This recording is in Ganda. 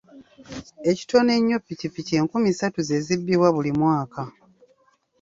Ekitono ennyo ppikipiki enkumi ssatu ze zibbibwa buli mwaka.